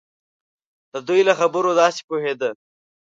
د دوی له خبرو داسې پوهېده.